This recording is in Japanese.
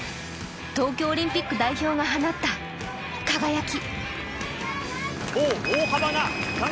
東京オリンピック代表が放った輝き。